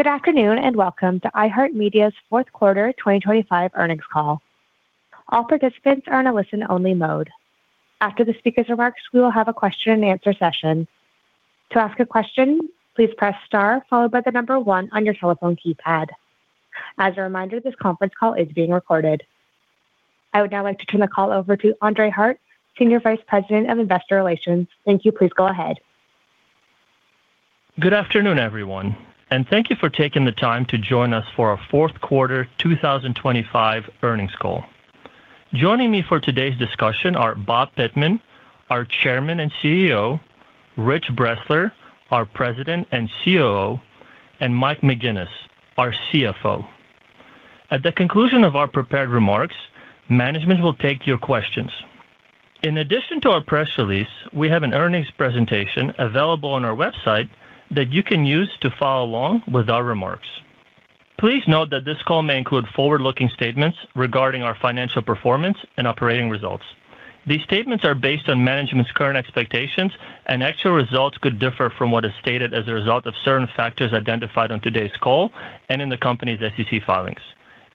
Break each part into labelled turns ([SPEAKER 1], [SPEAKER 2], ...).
[SPEAKER 1] Good afternoon, welcome to iHeartMedia's fourth quarter 2025 earnings call. All participants are in a listen-only mode. After the speaker's remarks, we will have a question-and-answer session. To ask a question, please press star followed by one on your telephone keypad. As a reminder, this conference call is being recorded. I would now like to turn the call over to Andrey Hart, Senior Vice President of Investor Relations. Thank you. Please go ahead.
[SPEAKER 2] Good afternoon, everyone, and thank you for taking the time to join us for our fourth quarter 2025 earnings call. Joining me for today's discussion are Bob Pittman, our Chairman and CEO, Rich Bressler, our President and COO, and Mike McGinnis, our CFO. At the conclusion of our prepared remarks, management will take your questions. In addition to our press release, we have an earnings presentation available on our website that you can use to follow along with our remarks. Please note that this call may include forward-looking statements regarding our financial performance and operating results. These statements are based on management's current expectations, and actual results could differ from what is stated as a result of certain factors identified on today's call and in the company's SEC filings,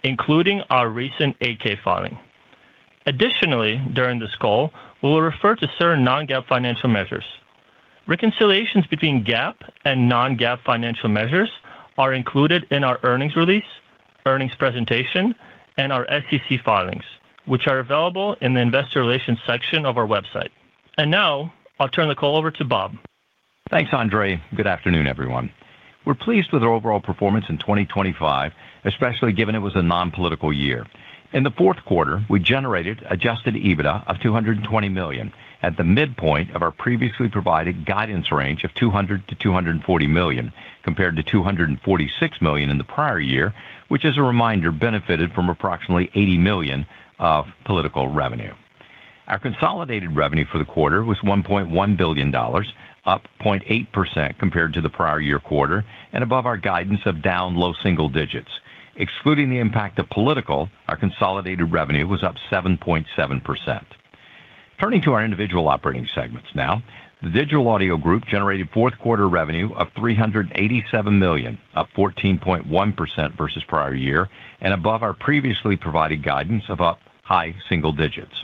[SPEAKER 2] including our recent 8-K filing. Additionally, during this call, we will refer to certain non-GAAP financial measures. Reconciliations between GAAP and non-GAAP financial measures are included in our earnings release, earnings presentation, and our SEC filings, which are available in the Investor Relations section of our website. Now I'll turn the call over to Bob.
[SPEAKER 3] Thanks, Andrey. Good afternoon, everyone. We're pleased with our overall performance in 2025, especially given it was a non-political year. In the fourth quarter, we generated adjusted EBITDA of $220 million at the midpoint of our previously provided guidance range of $200 million-$240 million, compared to $246 million in the prior year, which, as a reminder, benefited from approximately $80 million of political revenue. Our consolidated revenue for the quarter was $1.1 billion, up 0.8% compared to the prior year quarter and above our guidance of down low single digits. Excluding the impact of political, our consolidated revenue was up 7.7%. Turning to our individual operating segments now. The Digital Audio Group generated fourth quarter revenue of $387 million, up 14.1% versus prior year and above our previously provided guidance of up high single digits.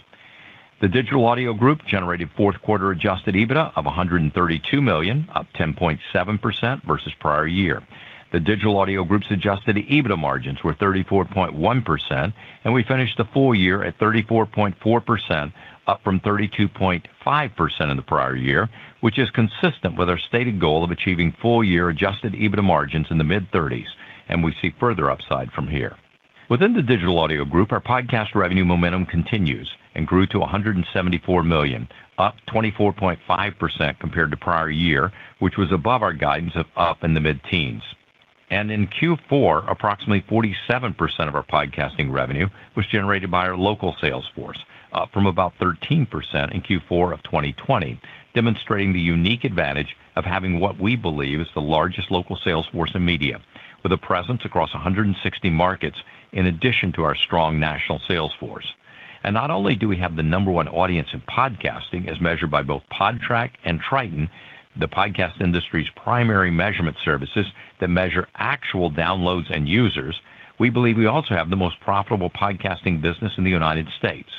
[SPEAKER 3] The Digital Audio Group generated fourth quarter adjusted EBITDA of $132 million, up 10.7% versus prior year. The Digital Audio Group's adjusted EBITDA margins were 34.1%, and we finished the full year at 34.4%, up from 32.5% in the prior year, which is consistent with our stated goal of achieving full-year adjusted EBITDA margins in the mid-thirties, and we see further upside from here. Within the Digital Audio Group, our podcast revenue momentum continues and grew to $174 million, up 24.5% compared to prior year, which was above our guidance of up in the mid-teens. In Q4, approximately 47% of our podcasting revenue was generated by our local sales force, up from about 13% in Q4 of 2020, demonstrating the unique advantage of having what we believe is the largest local sales force in media, with a presence across 160 markets in addition to our strong national sales force. Not only do we have the number one audience in podcasting as measured by both Podtrac and Triton, the podcast industry's primary measurement services that measure actual downloads and users, we believe we also have the most profitable podcasting business in the United States.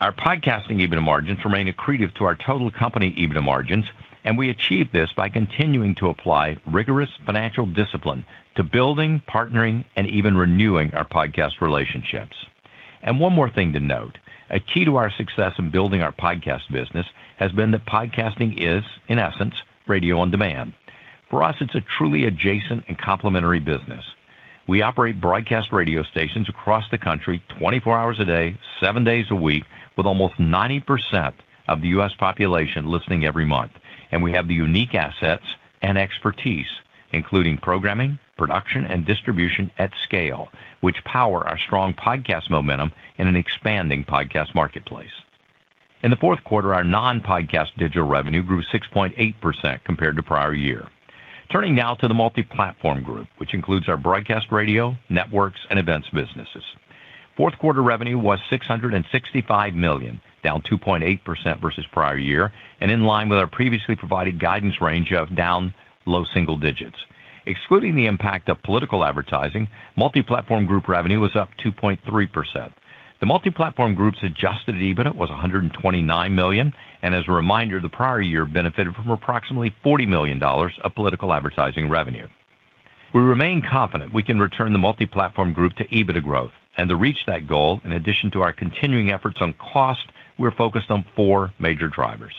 [SPEAKER 3] Our podcasting EBITDA margins remain accretive to our total company EBITDA margins, and we achieve this by continuing to apply rigorous financial discipline to building, partnering, and even renewing our podcast relationships. One more thing to note, a key to our success in building our podcast business has been that podcasting is, in essence, radio on demand. For us, it's a truly adjacent and complementary business. We operate broadcast radio stations across the country 24 hours a day, seven days a week, with almost 90% of the U.S. population listening every month. We have the unique assets and expertise, including programming, production, and distribution at scale, which power our strong podcast momentum in an expanding podcast marketplace. In the fourth quarter, our non-podcast digital revenue grew 6.8% compared to prior year. Turning now to the Multiplatform Group, which includes our broadcast radio, networks, and events businesses. Fourth quarter revenue was $665 million, down 2.8% versus prior year and in line with our previously provided guidance range of down low single digits. Excluding the impact of political advertising, Multiplatform Group revenue was up 2.3%. The Multiplatform Group's adjusted EBITDA was $129 million. As a reminder, the prior year benefited from approximately $40 million of political advertising revenue. We remain confident we can return the Multiplatform Group to EBITDA growth. To reach that goal, in addition to our continuing efforts on cost, we're focused on four major drivers.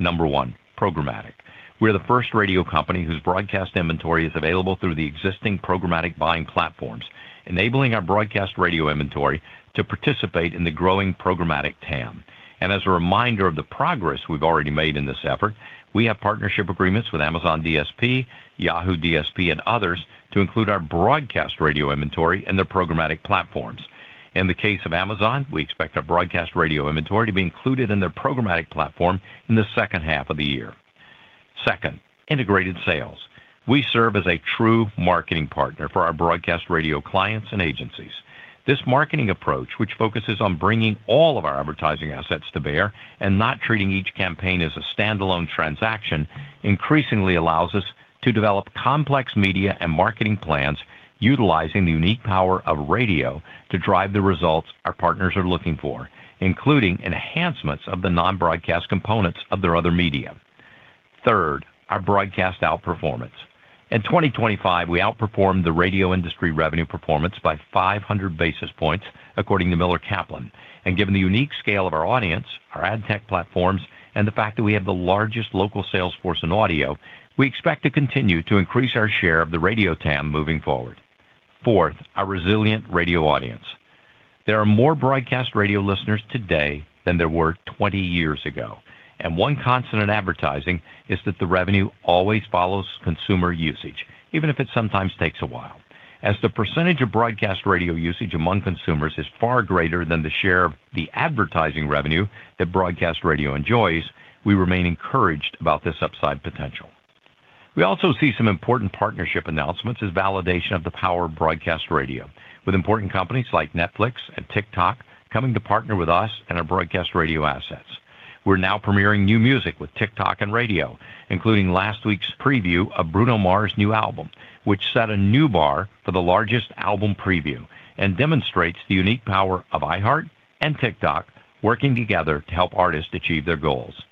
[SPEAKER 3] Number one, programmatic. We're the first radio company whose broadcast inventory is available through the existing programmatic buying platforms, enabling our broadcast radio inventory to participate in the growing programmatic TAM. As a reminder of the progress we've already made in this effort, we have partnership agreements with Amazon DSP, Yahoo DSP, and others to include our broadcast radio inventory in their programmatic platforms. In the case of Amazon, we expect our broadcast radio inventory to be included in their programmatic platform in the second half of the year. Second, integrated sales. We serve as a true marketing partner for our broadcast radio clients and agencies. This marketing approach, which focuses on bringing all of our advertising assets to bear and not treating each campaign as a standalone transaction, increasingly allows us to develop complex media and marketing plans utilizing the unique power of radio to drive the results our partners are looking for, including enhancements of the non-broadcast components of their other media. Third, our broadcast outperformance. In 2025, we outperformed the radio industry revenue performance by 500 basis points according to Miller Kaplan. Given the unique scale of our audience, our ad tech platforms, and the fact that we have the largest local sales force in audio, we expect to continue to increase our share of the radio TAM moving forward. Fourth, our resilient radio audience. There are more broadcast radio listeners today than there were 20 years ago, and one constant in advertising is that the revenue always follows consumer usage, even if it sometimes takes a while. As the percentage of broadcast radio usage among consumers is far greater than the share of the advertising revenue that broadcast radio enjoys, we remain encouraged about this upside potential. We also see some important partnership announcements as validation of the power of broadcast radio, with important companies like Netflix and TikTok coming to partner with us and our broadcast radio assets. We're now premiering new music with TikTok and radio, including last week's preview of Bruno Mars' new album, which set a new bar for the largest album preview and demonstrates the unique power of iHeart and TikTok working together to help artists achieve their goals.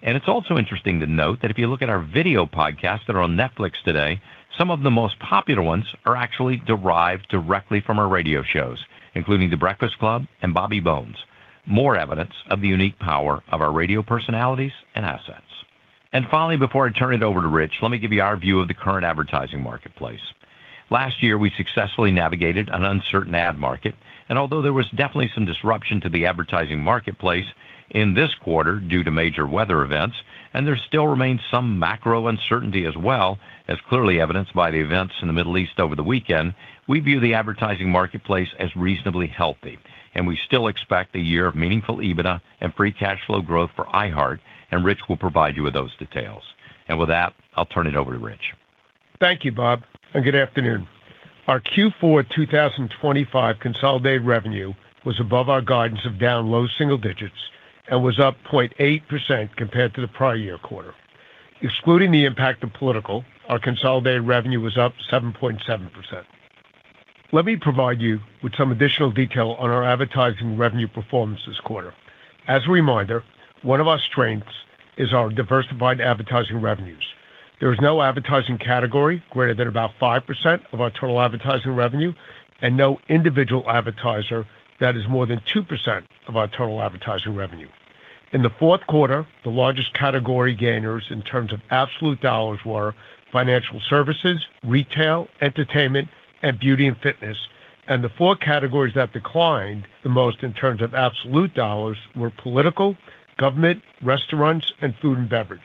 [SPEAKER 3] It's also interesting to note that if you look at our video podcasts that are on Netflix today, some of the most popular ones are actually derived directly from our radio shows, including The Breakfast Club and Bobby Bones. More evidence of the unique power of our radio personalities and assets. Finally, before I turn it over to Rich, let me give you our view of the current advertising marketplace. Last year, we successfully navigated an uncertain ad market. Although there was definitely some disruption to the advertising marketplace in this quarter due to major weather events, and there still remains some macro uncertainty as well, as clearly evidenced by the events in the Middle East over the weekend, we view the advertising marketplace as reasonably healthy, and we still expect a year of meaningful EBITDA and free cash flow growth for iHeart, and Rich will provide you with those details. With that, I'll turn it over to Rich.
[SPEAKER 4] Thank you, Bob, and good afternoon. Our Q4 2025 consolidated revenue was above our guidance of down low single digits and was up 0.8% compared to the prior year quarter. Excluding the impact of political, our consolidated revenue was up 7.7%. Let me provide you with some additional detail on our advertising revenue performance this quarter. As a reminder, one of our strengths is our diversified advertising revenues. There is no advertising category greater than about 5% of our total advertising revenue and no individual advertiser that is more than 2% of our total advertising revenue. In the fourth quarter, the largest category gainers in terms of absolute dollars were financial services, retail, entertainment, and beauty and fitness. The four categories that declined the most in terms of absolute dollars were political, government, restaurants, and food and beverage.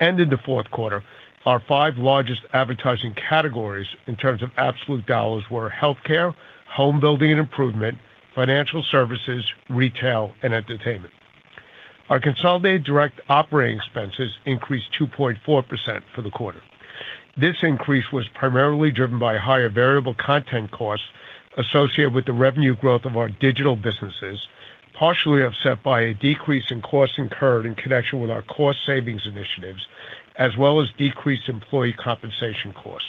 [SPEAKER 4] In the fourth quarter, our five largest advertising categories in terms of absolute dollars were healthcare, home building and improvement, financial services, retail, and entertainment. Our consolidated direct operating expenses increased 2.4% for the quarter. This increase was primarily driven by higher variable content costs associated with the revenue growth of our digital businesses, partially offset by a decrease in costs incurred in connection with our cost savings initiatives, as well as decreased employee compensation costs.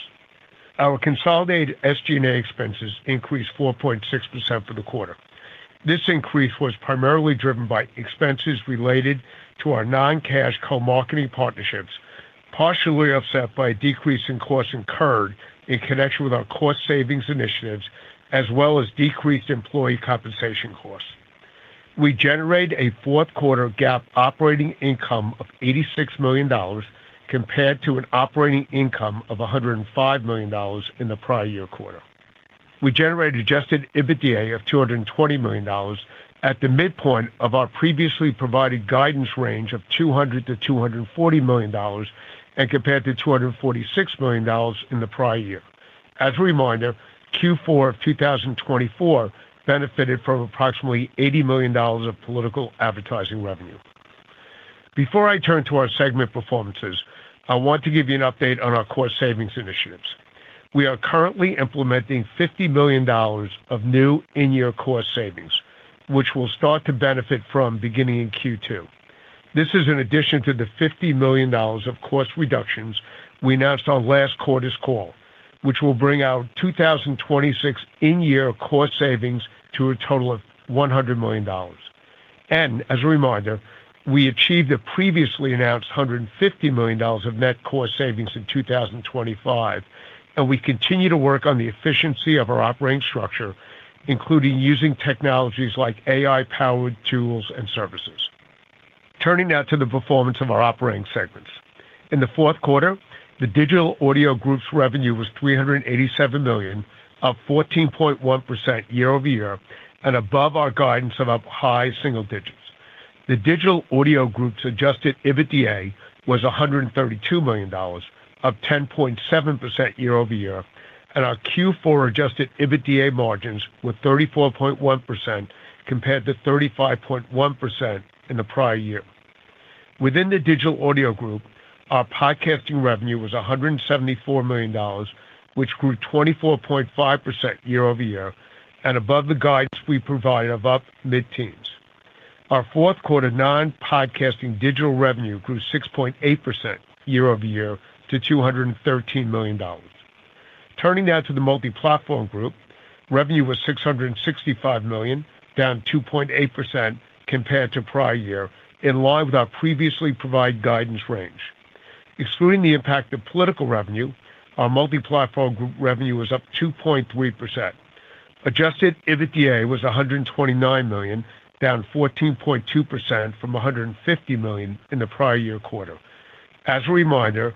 [SPEAKER 4] Our consolidated SG&A expenses increased 4.6% for the quarter. This increase was primarily driven by expenses related to our non-cash co-marketing partnerships, partially offset by a decrease in costs incurred in connection with our cost savings initiatives, as well as decreased employee compensation costs. We generated a fourth quarter GAAP operating income of $86 million compared to an operating income of $105 million in the prior year quarter. We generated adjusted EBITDA of $220 million at the midpoint of our previously provided guidance range of $200 million-$240 million and compared to $246 million in the prior year. As a reminder, Q4 of 2024 benefited from approximately $80 million of political advertising revenue. Before I turn to our segment performances, I want to give you an update on our cost savings initiatives. We are currently implementing $50 million of new in-year cost savings, which we'll start to benefit from beginning in Q2. This is in addition to the $50 million of cost reductions we announced on last quarter's call, which will bring our 2026 in-year cost savings to a total of $100 million. As a reminder, we achieved a previously announced $150 million of net cost savings in 2025, and we continue to work on the efficiency of our operating structure, including using technologies like AI-powered tools and services. Turning now to the performance of our operating segments. In the fourth quarter, the Digital Audio Group's revenue was $387 million, up 14.1% year-over-year and above our guidance of up high single digits. The Digital Audio Group's adjusted EBITDA was $132 million, up 10.7% year-over-year, and our Q4 adjusted EBITDA margins were 34.1% compared to 35.1% in the prior year. Within the Digital Audio Group, our podcasting revenue was $174 million, which grew 24.5% year-over-year and above the guidance we provided of up mid-teens. Our fourth quarter non-podcasting digital revenue grew 6.8% year-over-year to $213 million. Turning now to the Multiplatform Group, revenue was $665 million, down 2.8% compared to prior year, in line with our previously provided guidance range. Excluding the impact of political revenue, our Multiplatform Group revenue was up 2.3%. Adjusted EBITDA was $129 million, down 14.2% from $150 million in the prior year quarter. As a reminder,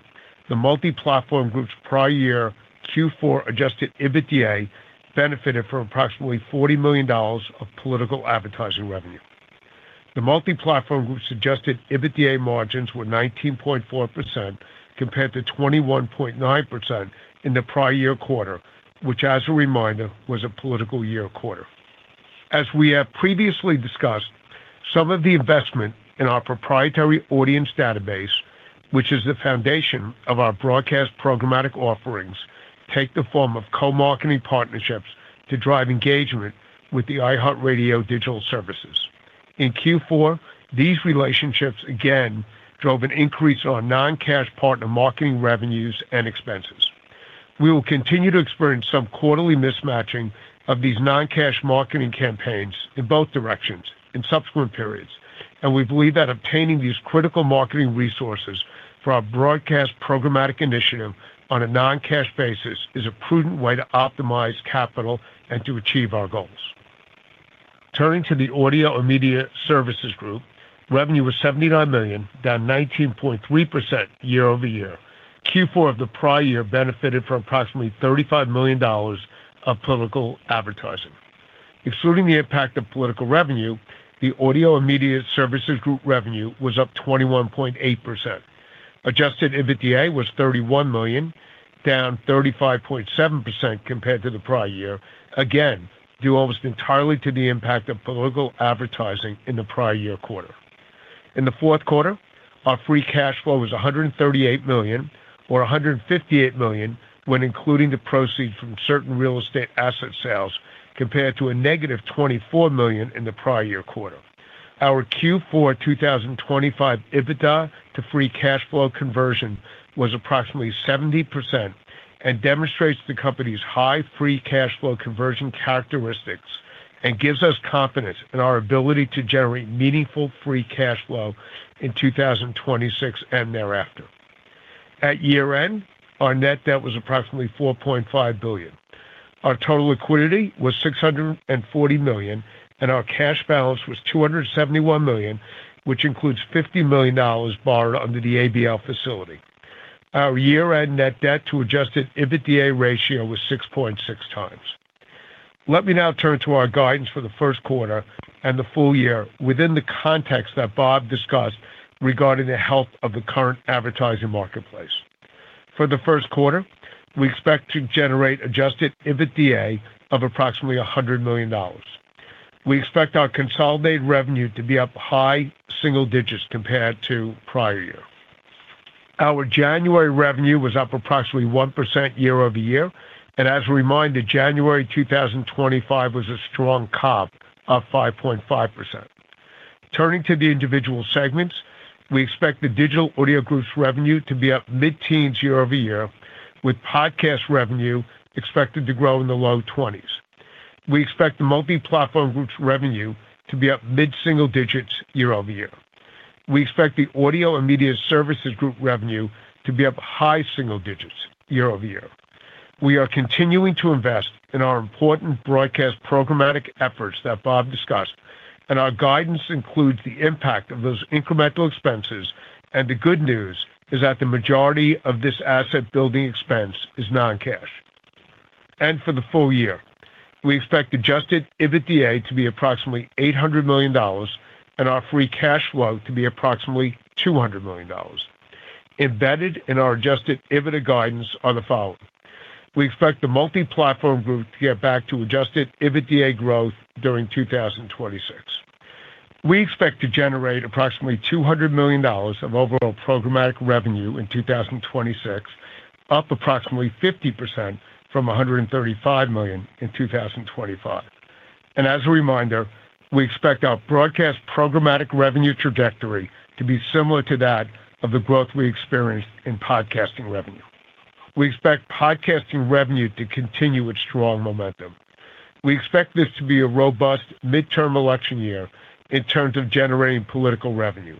[SPEAKER 4] the Multiplatform Group's prior year Q4 adjusted EBITDA benefited from approximately $40 million of political advertising revenue. The Multiplatform Group's adjusted EBITDA margins were 19.4% compared to 21.9% in the prior year quarter, which as a reminder, was a political year quarter. As we have previously discussed, some of the investment in our proprietary audience database, which is the foundation of our broadcast programmatic offerings, take the form of co-marketing partnerships to drive engagement with the iHeartRadio digital services. In Q4, these relationships again drove an increase on non-cash partner marketing revenues and expenses. We will continue to experience some quarterly mismatching of these non-cash marketing campaigns in both directions in subsequent periods, and we believe that obtaining these critical marketing resources for our broadcast programmatic initiative on a non-cash basis is a prudent way to optimize capital and to achieve our goals. Turning to the Audio and Media Services Group, revenue was $79 million, down 19.3% year-over-year. Q4 of the prior year benefited from approximately $35 million of political advertising. Excluding the impact of political revenue, the Audio and Media Services Group revenue was up 21.8%. Adjusted EBITDA was $31 million, down 35.7% compared to the prior year, again, due almost entirely to the impact of political advertising in the prior year quarter. In the fourth quarter, our free cash flow was $138 million or $158 million when including the proceeds from certain real estate asset sales compared to -$24 million in the prior year quarter. Our Q4 2025 EBITDA to free cash flow conversion was approximately 70% and demonstrates the company's high free cash flow conversion characteristics and gives us confidence in our ability to generate meaningful free cash flow in 2026 and thereafter. At year-end, our net debt was approximately $4.5 billion. Our total liquidity was $640 million, and our cash balance was $271 million, which includes $50 million borrowed under the ABL facility. Our year-end net debt to adjusted EBITDA ratio was 6.6x. Let me now turn to our guidance for the first quarter and the full year within the context that Bob discussed regarding the health of the current advertising marketplace. For the first quarter, we expect to generate adjusted EBITDA of approximately $100 million. We expect our consolidated revenue to be up high single digits compared to prior year. Our January revenue was up approximately 1% year-over-year, as a reminder, January two thousand and twenty-five was a strong comp of 5.5%. Turning to the individual segments, we expect the Digital Audio Group's revenue to be up mid-teens year-over-year, with podcast revenue expected to grow in the low twenties. We expect the Multiplatform Group's revenue to be up mid-single digits year-over-year. We expect the Audio and Media Services group revenue to be up high single digits year-over-year. We are continuing to invest in our important broadcast programmatic efforts that Bob discussed. Our guidance includes the impact of those incremental expenses. The good news is that the majority of this asset building expense is non-cash. For the full year, we expect adjusted EBITDA to be approximately $800 million and our free cash flow to be approximately $200 million. Embedded in our adjusted EBITDA guidance are the following. We expect the Multiplatform Group to get back to adjusted EBITDA growth during 2026. We expect to generate approximately $200 million of overall programmatic revenue in 2026, up approximately 50% from $135 million in 2025. As a reminder, we expect our broadcast programmatic revenue trajectory to be similar to that of the growth we experienced in podcasting revenue. We expect podcasting revenue to continue its strong momentum. We expect this to be a robust midterm election year in terms of generating political revenue.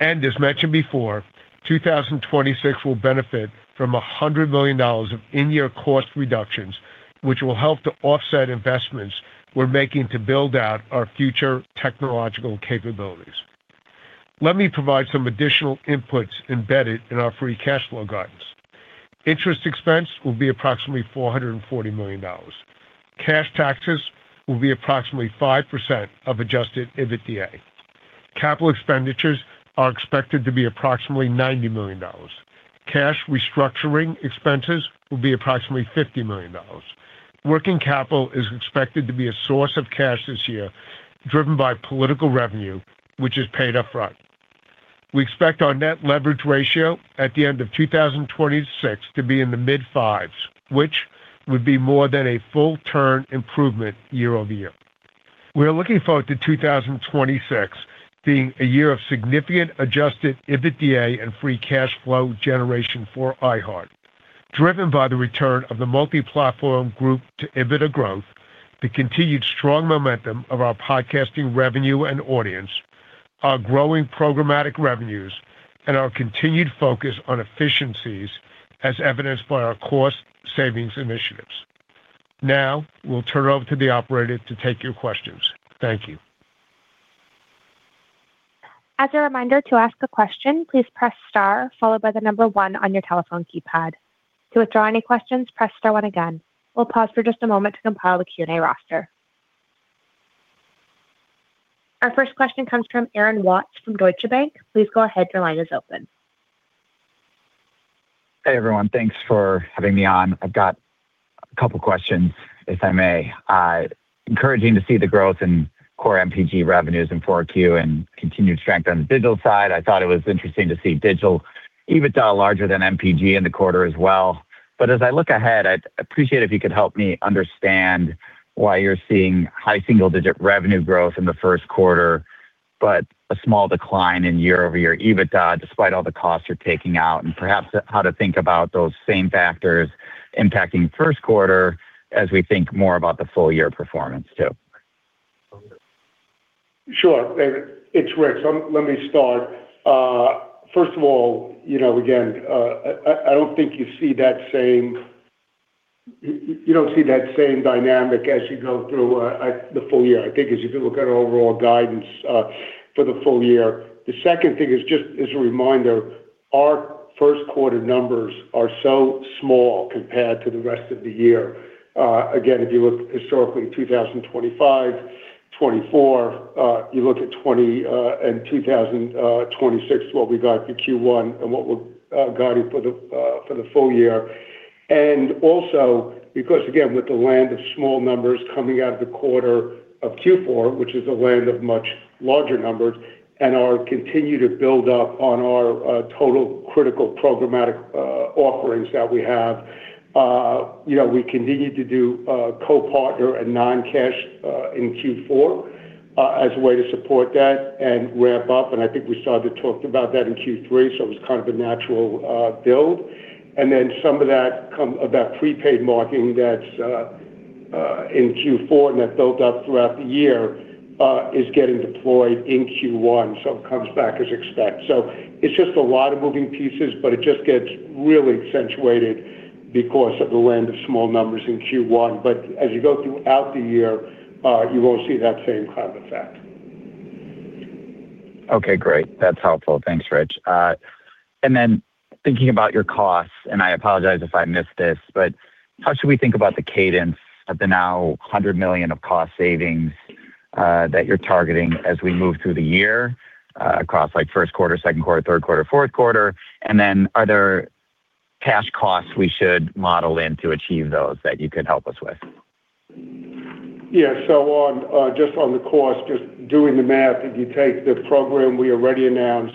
[SPEAKER 4] As mentioned before, 2026 will benefit from $100 million of in-year cost reductions, which will help to offset investments we're making to build out our future technological capabilities. Let me provide some additional inputs embedded in our free cash flow guidance. Interest expense will be approximately $440 million. Cash taxes will be approximately 5% of adjusted EBITDA. Capital expenditures are expected to be approximately $90 million. Cash restructuring expenses will be approximately $50 million. Working capital is expected to be a source of cash this year, driven by political revenue, which is paid upfront. We expect our net leverage ratio at the end of 2026 to be in the mid-fives, which would be more than a full-term improvement year-over-year. We're looking forward to 2026 being a year of significant adjusted EBITDA and free cash flow generation for iHeart, driven by the return of the Multiplatform Group to EBITDA growth, the continued strong momentum of our podcasting revenue and audience, our growing programmatic revenues, and our continued focus on efficiencies as evidenced by our cost savings initiatives. We'll turn over to the operator to take your questions. Thank you.
[SPEAKER 1] As a reminder, to ask a question, please press star followed by the one on your telephone keypad. To withdraw any questions, press star one again. We'll pause for just a moment to compile the Q&A roster. Our first question comes from Aaron Watts from Deutsche Bank. Please go ahead. Your line is open.
[SPEAKER 5] Hey, everyone. Thanks for having me on. I've got a couple questions, if I may. Encouraging to see the growth in core MPG revenues in 4Q and continued strength on the digital side. I thought it was interesting to see digital EBITDA larger than MPG in the quarter as well. As I look ahead, I'd appreciate if you could help me understand why you're seeing high single-digit revenue growth in the first quarter, but a small decline in year-over-year EBITDA despite all the costs you're taking out, and perhaps how to think about those same factors impacting first quarter as we think more about the full year performance too.
[SPEAKER 4] Sure. It's Rich. Let me start. First of all, you know, again, I don't think you see that same dynamic as you go through the full year, I think, as you can look at our overall guidance for the full year. The second thing is just as a reminder, our first quarter numbers are so small compared to the rest of the year. Again, if you look historically, 2025, 2024, you look at 2026, what we got for Q1 and what we're guiding for the full year. Because again, with the land of small numbers coming out of the quarter of Q4, which is a land of much larger numbers and our continue to build up on our total critical programmatic offerings that we have, you know, we continued to do co-partner and non-cash in Q4 as a way to support that and ramp up. I think we started to talk about that in Q3, so it was kind of a natural build. Some of that of that prepaid marketing that's in Q4 and that built up throughout the year is getting deployed in Q1, so it comes back as expect. It's just a lot of moving pieces, but it just gets really accentuated because of the land of small numbers in Q1. As you go throughout the year, you won't see that same kind of effect.
[SPEAKER 5] Okay, great. That's helpful. Thanks, Rich. Thinking about your costs, and I apologize if I missed this, but how should we think about the cadence of the now $100 million of cost savings that you're targeting as we move through the year across, like, first quarter, second quarter, third quarter, fourth quarter? Are there cash costs we should model in to achieve those that you could help us with?
[SPEAKER 4] Yeah. On just on the cost, just doing the math, if you take the program we already announced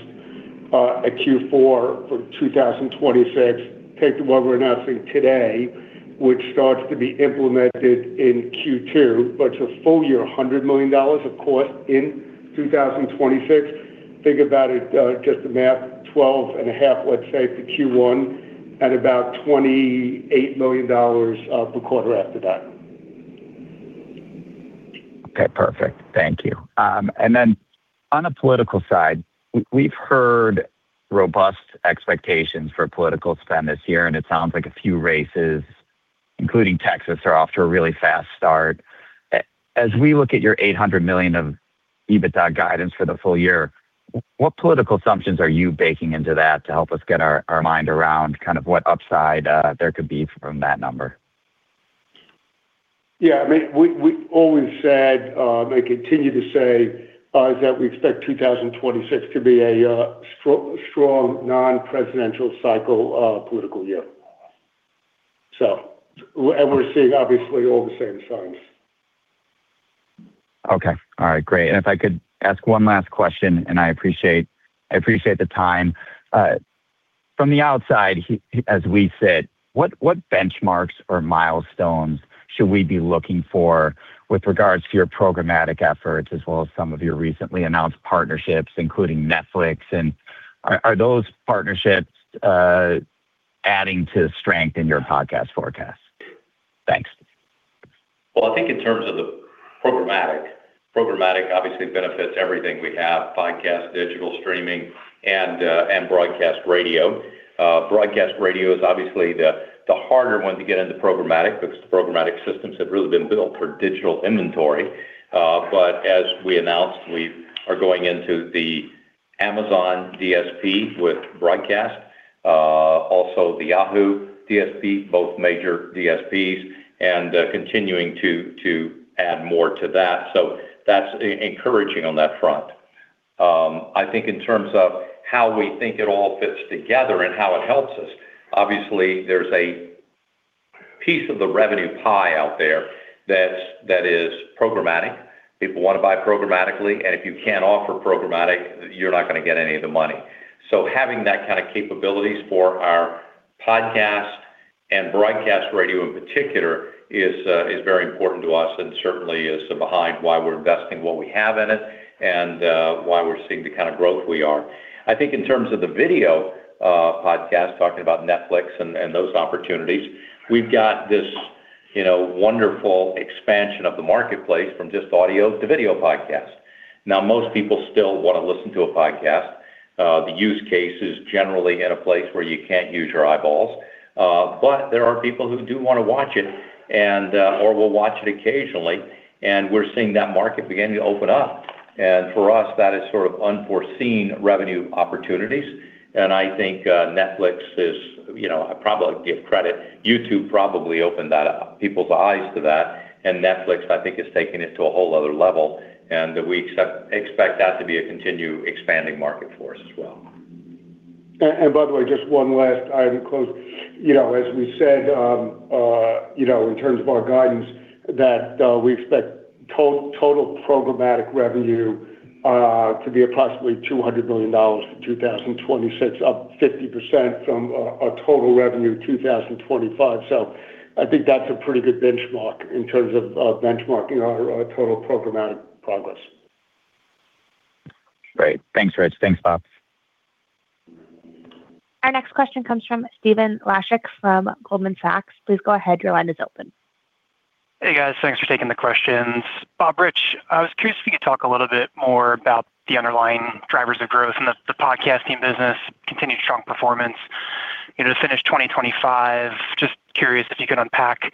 [SPEAKER 4] at Q4 for 2026, take what we're announcing today, which starts to be implemented in Q2, but it's a full year, $100 million of cost in 2026. Think about it, just the math, $12.5 million, let's say, for Q1 and about $28 million of the quarter after that.
[SPEAKER 5] Okay, perfect. Thank you. On the political side, we've heard robust expectations for political spend this year, and it sounds like a few races, including Texas, are off to a really fast start. As we look at your $800 million of EBITDA guidance for the full year, what political assumptions are you baking into that to help us get our mind around kind of what upside there could be from that number?
[SPEAKER 4] Yeah, I mean, we always said, I continue to say, is that we expect 2026 to be a strong non-presidential cycle, political year. We're seeing obviously all the same signs.
[SPEAKER 5] Okay. All right, great. If I could ask one last question, I appreciate the time. From the outside, as we sit, what benchmarks or milestones should we be looking for with regards to your programmatic efforts as well as some of your recently announced partnerships, including Netflix? Are those partnerships adding to strength in your podcast forecast? Thanks.
[SPEAKER 3] Well, I think in terms of the programmatic obviously benefits everything we have, podcast, digital streaming, and broadcast radio. Broadcast radio is obviously the harder one to get into programmatic because the programmatic systems have really been built for digital inventory. As we announced, we are going into the Amazon DSP with broadcast, also the Yahoo DSP, both major DSPs, and continuing to add more to that. That's encouraging on that front. I think in terms of how we think it all fits together and how it helps us, obviously, there's a piece of the revenue pie out there that is programmatic. People wanna buy programmatically, and if you can't offer programmatic, you're not gonna get any of the money. Having that kind of capabilities for our podcast and broadcast radio in particular is very important to us and certainly is behind why we're investing what we have in it and why we're seeing the kind of growth we are. I think in terms of the video podcast, talking about Netflix and those opportunities, we've got this, you know, wonderful expansion of the marketplace from just audio to video podcast. Now, most people still wanna listen to a podcast. The use case is generally in a place where you can't use your eyeballs, but there are people who do wanna watch it and or will watch it occasionally, and we're seeing that market begin to open up. For us, that is sort of unforeseen revenue opportunities. I think, Netflix is, you know, I probably give credit. YouTube probably opened that up, people's eyes to that, and Netflix, I think, has taken it to a whole other level. We expect that to be a continued expanding market for us as well.
[SPEAKER 4] By the way, just one last item close. You know, as we said, you know, in terms of our guidance, that we expect total programmatic revenue to be approximately $200 million in 2026, up 50% from our total revenue in 2025. I think that's a pretty good benchmark in terms of benchmarking our total programmatic progress.
[SPEAKER 5] Great. Thanks, Rich. Thanks, Bob.
[SPEAKER 1] Our next question comes from Stephen Laszczyk from Goldman Sachs. Please go ahead. Your line is open.
[SPEAKER 6] Hey, guys. Thanks for taking the questions. Bob, Rich, I was curious if you could talk a little bit more about the underlying drivers of growth in the podcasting business, continued strong performance. You know, to finish 2025, just curious if you could unpack,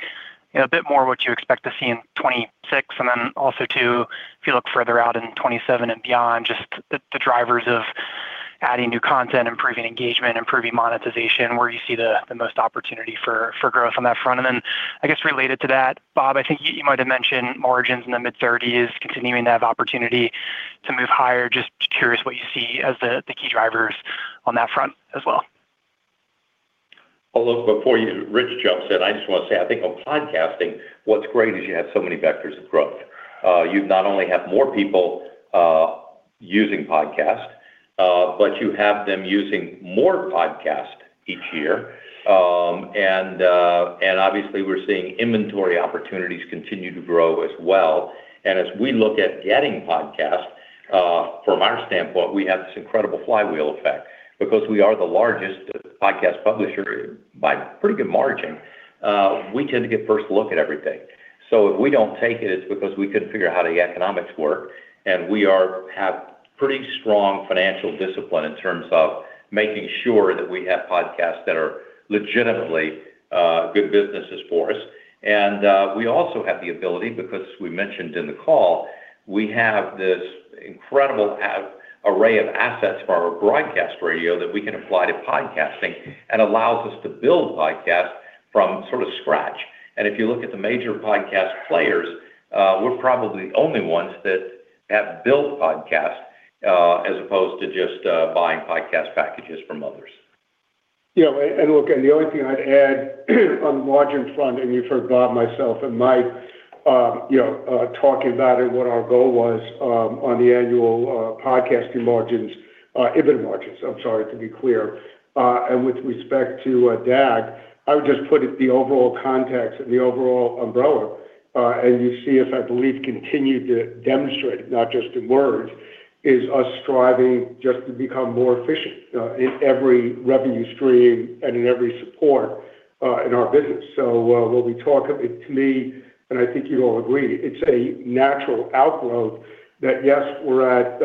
[SPEAKER 6] you know, a bit more what you expect to see in 2026. Also too, if you look further out in 2027 and beyond, just the drivers of adding new content, improving engagement, improving monetization, where you see the most opportunity for growth on that front. I guess related to that, Bob, I think you might have mentioned margins in the mid-30s continuing to have opportunity to move higher. Just curious what you see as the key drivers on that front as well.
[SPEAKER 3] Well, look, before Rich jumps in, I just wanna say, I think on podcasting, what's great is you have so many vectors of growth. You not only have more people using podcasts, but you have them using more podcasts each year. Obviously we're seeing inventory opportunities continue to grow as well. As we look at getting podcasts from our standpoint, we have this incredible flywheel effect. Because we are the largest podcast publisher by pretty good margin, we tend to get first look at everything. If we don't take it's because we couldn't figure out how the economics work, and we have pretty strong financial discipline in terms of making sure that we have podcasts that are legitimately good businesses for us. We also have the ability, because we mentioned in the call, we have this incredible array of assets from our broadcast radio that we can apply to podcasting and allows us to build podcasts from sort of scratch. If you look at the major podcast players, we're probably the only ones that have built podcasts, as opposed to just buying podcast packages from others.
[SPEAKER 4] Yeah. Look, the only thing I'd add on the margin front, you've heard Bob, myself, and Mike, you know, talk about it, what our goal was, on the annual podcasting margins, EBIT margins, I'm sorry, to be clear. With respect to DAG, I would just put it the overall context and the overall umbrella, you see us, I believe, continue to demonstrate, not just in words, is us striving just to become more efficient, in every revenue stream and in every support, in our business. When we talk, to me, and I think you'd all agree, it's a natural outgrowth that, yes, we're at,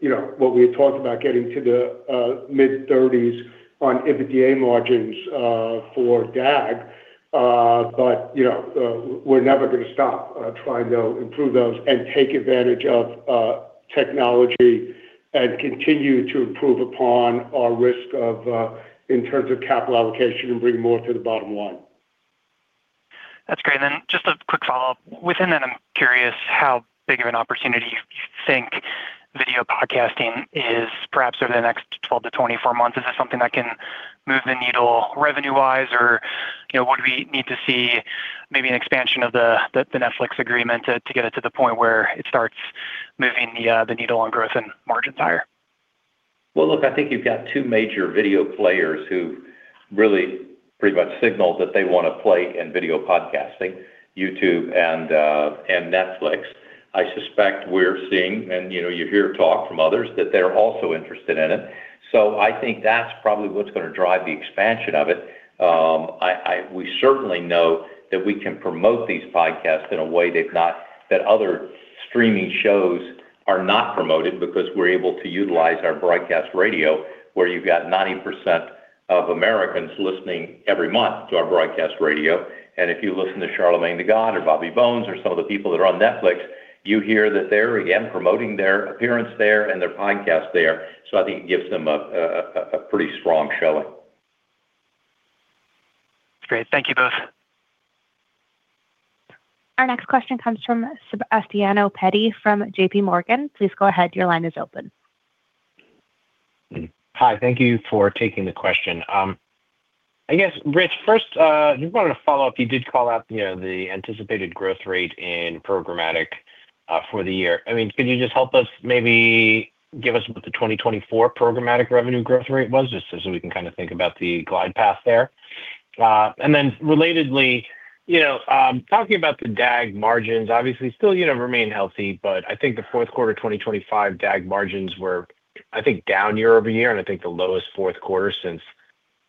[SPEAKER 4] you know, what we had talked about getting to the mid-thirties on EBITDA margins for DAG, but, you know, we're never gonna stop trying to improve those and take advantage of technology and continue to improve upon our risk of in terms of capital allocation and bring more to the bottom line.
[SPEAKER 6] That's great. Just a quick follow-up. Within that, I'm curious how big of an opportunity you think video podcasting is perhaps over the next 12-24 months. Is this something that can move the needle revenue-wise? Or, you know, would we need to see maybe an expansion of the Netflix agreement to get it to the point where it starts moving the needle on growth and margins higher?
[SPEAKER 3] Well, look, I think you've got two major video players who really pretty much signal that they wanna play in video podcasting, YouTube and Netflix. I suspect we're seeing, and, you know, you hear talk from others that they're also interested in it. I think that's probably what's gonna drive the expansion of it. We certainly know that we can promote these podcasts in a way that not, that other streaming shows are not promoted because we're able to utilize our broadcast radio, where you've got 90% of Americans listening every month to our broadcast radio. If you listen to Charlamagne tha God or Bobby Bones or some of the people that are on Netflix, you hear that they're again promoting their appearance there and their podcast there. I think it gives them a pretty strong showing.
[SPEAKER 6] Great. Thank you both.
[SPEAKER 1] Our next question comes from Sebastiano Petti from JPMorgan. Please go ahead. Your line is open.
[SPEAKER 7] Hi. Thank you for taking the question. I guess, Rich, first, just wanted to follow up. You did call out, you know, the anticipated growth rate in programmatic for the year. I mean, could you just help us maybe give us what the 2024 programmatic revenue growth rate was, just so we can kinda think about the glide path there. Relatedly, you know, talking about the DAG margins, obviously still, you know, remain healthy, but I think the fourth quarter 2025 DAG margins were, I think, down year-over-year and I think the lowest fourth quarter since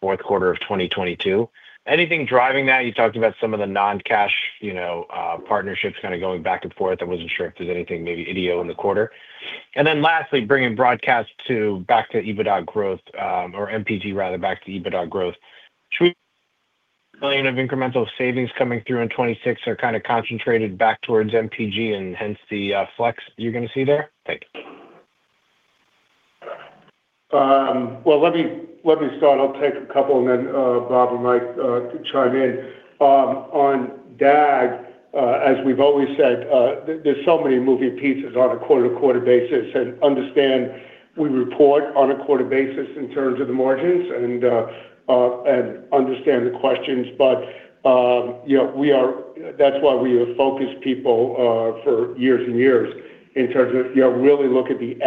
[SPEAKER 7] fourth quarter of 2022. Anything driving that? You talked about some of the non-cash, you know, partnerships kinda going back and forth. I wasn't sure if there's anything maybe IDO in the quarter. Lastly, bringing broadcast to back to EBITDA growth, or MPG rather back to EBITDA growth. $2 million of incremental savings coming through in 2026 are kinda concentrated back towards MPG and hence the flex you're gonna see there? Thank you.
[SPEAKER 4] Well let me start. I'll take a couple and then Bob and Mike can chime in. On DAG, as we've always said, there's so many moving pieces on a quarter-to-quarter basis. Understand we report on a quarter basis in terms of the margins and understand the questions. You know, That's why we have focused people for years and years in terms of, you know, really look at the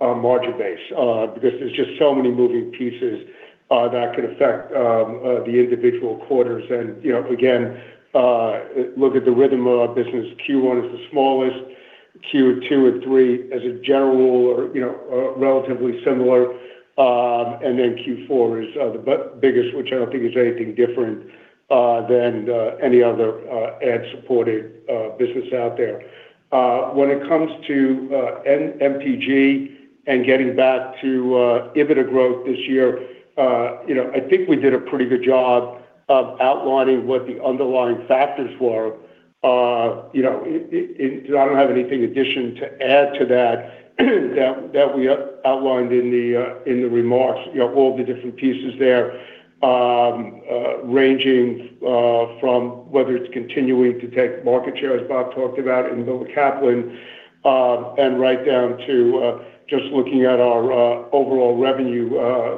[SPEAKER 4] annual margin base because there's just so many moving pieces that could affect the individual quarters. You know, again, look at the rhythm of our business. Q1 is the smallest. Q2 and Q3 as a general or, you know, relatively similar. Q4 is the biggest, which I don't think is anything different than any other ad-supported business out there. When it comes to MPG and getting back to EBITDA growth this year, you know, I think we did a pretty good job of outlining what the underlying factors were. You know, I don't have anything addition to add to that we outlined in the remarks. You know, all the different pieces there, ranging from whether it's continuing to take market share, as Bob talked about in Miller Kaplan, and right down to just looking at our overall revenue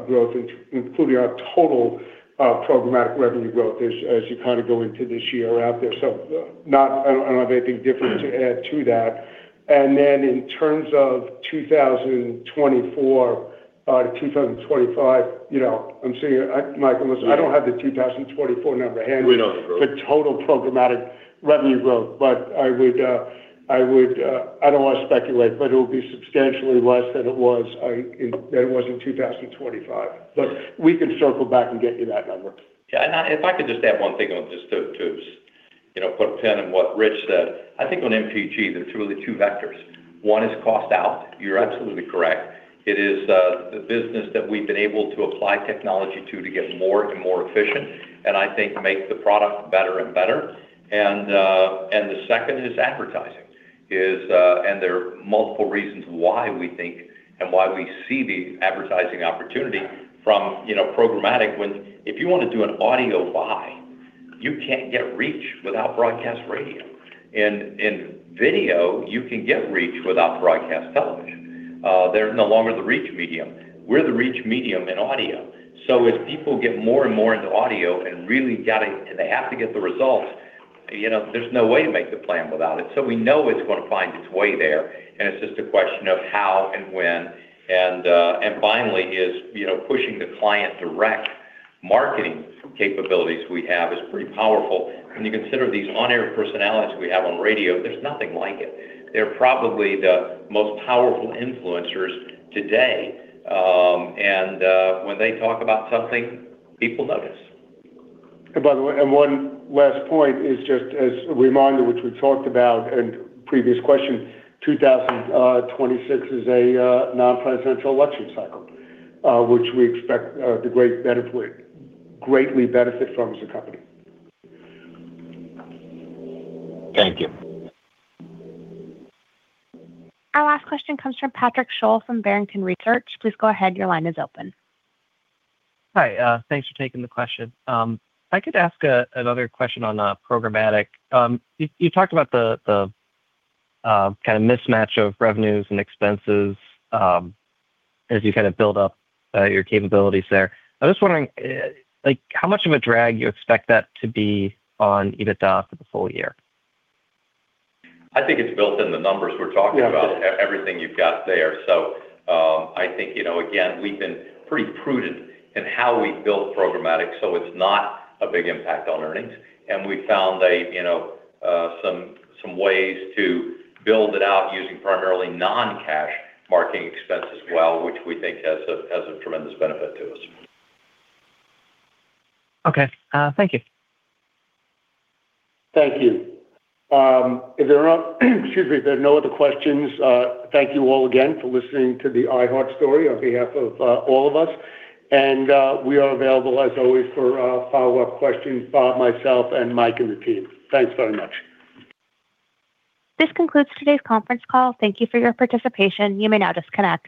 [SPEAKER 4] growth, including our total programmatic revenue growth as you kinda go into this year out there. I don't have anything different to add to that. In terms of 2024 to 2025, you know, I'm seeing Mike and listen, I don't have the 2024 number handy.
[SPEAKER 8] We know the growth.
[SPEAKER 4] for total programmatic revenue growth. I would I don't want to speculate, but it will be substantially less than it was in 2025. We can circle back and get you that number.
[SPEAKER 3] Yeah. If I could just add one thing on just to, you know, put a pin in what Rich said. I think on MPG, there's really two vectors. One is cost out. You're absolutely correct. It is the business that we've been able to apply technology to get more and more efficient, and I think make the product better and better. The second is advertising. Is, and there are multiple reasons why we think and why we see the advertising opportunity from, you know, programmatic when if you wanna do an audio buy, you can't get reach without broadcast radio. In video, you can get reach without broadcast television. They're no longer the reach medium. We're the reach medium in audio. As people get more and more into audio and really, they have to get the results, you know, there's no way to make the plan without it. We know it's gonna find its way there, and it's just a question of how and when. Finally is, you know, pushing the client direct marketing capabilities we have is pretty powerful. When you consider these on-air personalities we have on radio, there's nothing like it. They're probably the most powerful influencers today. When they talk about something, people notice.
[SPEAKER 4] By the way, and one last point is just as a reminder, which we talked about in previous question, 2026 is a non-presidential election cycle, which we expect to great benefit, greatly benefit from as a company.
[SPEAKER 7] Thank you.
[SPEAKER 1] Our last question comes from Patrick Sholl from Barrington Research. Please go ahead. Your line is open.
[SPEAKER 9] Hi. Thanks for taking the question. If I could ask another question on programmatic. You talked about the kind of mismatch of revenues and expenses, as you kind of build up, your capabilities there. I'm just wondering, like how much of a drag you expect that to be on EBITDA for the full year?
[SPEAKER 3] I think it's built in the numbers we're talking about.
[SPEAKER 9] Yeah.
[SPEAKER 3] Everything you've got there. I think, you know, again, we've been pretty prudent in how we've built programmatic, so it's not a big impact on earnings. We found some ways to build it out using primarily non-cash marketing expense as well, which we think has a tremendous benefit to us.
[SPEAKER 9] Okay. Thank you.
[SPEAKER 4] Thank you. If there are no other questions, thank you all again for listening to the iHeart story on behalf of all of us. We are available as always for follow-up questions, Bob, myself and Mike, and the team. Thanks very much.
[SPEAKER 1] This concludes today's conference call. Thank you for your participation. You may now disconnect.